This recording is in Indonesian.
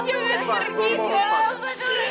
jangan tinggalin aku taufan